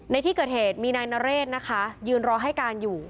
ในที่เกิดเหตุมีนายนเรศนะคะยืนรอให้การอยู่